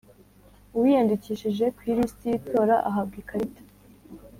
Uwiyandikishije ku ilisiti y itora ahabwa ikarita